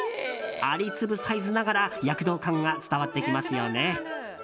蟻粒サイズながら躍動感が伝わってきますよね。